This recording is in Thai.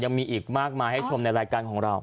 ยังมีอีกมากมายให้ชมในรายการของเรา